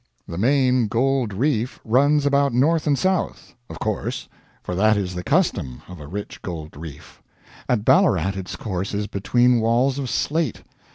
The main gold reef runs about north and south of course for that is the custom of a rich gold reef. At Ballarat its course is between walls of slate.